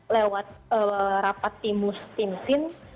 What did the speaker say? lewat rapat timus timsin